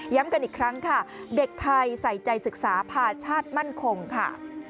กันอีกครั้งค่ะเด็กไทยใส่ใจศึกษาภาชาติมั่นคงค่ะ